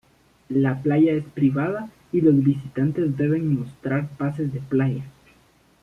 La playa es privada y los visitantes deben mostrar pases de playa.